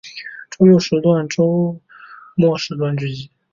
周六时段剧集周末时段剧集